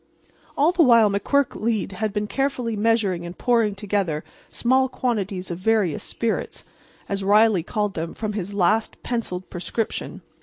All the while McQuirk had been carefully measuring and pouring together small quantities of various spirits, as Riley called them, from his latest pencilled prescription.